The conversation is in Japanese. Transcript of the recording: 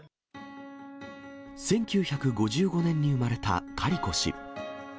１９５５年に生まれたカリコ氏。